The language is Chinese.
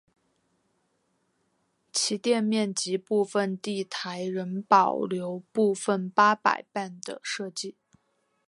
其店面及部份地台仍保留部份八佰伴的设计。